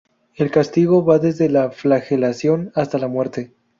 El castigo va desde la flagelación hasta la muerte.